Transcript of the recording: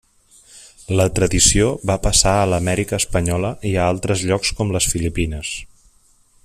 La tradició va passar a l'Amèrica espanyola i a altres llocs com les Filipines.